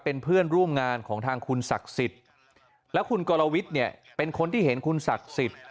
เป็นเพื่อนร่วมงานของทางคุณศักดิ์สิทธิ์และคุณกรวิทย์เนี่ยเป็นคนที่เห็นคุณศักดิ์สิทธิ์